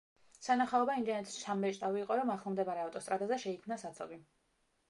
სანახაობა იმდენად შთამბეჭდავი იყო, რომ ახლომდებარე ავტოსტრადაზე შეიქმნა საცობი.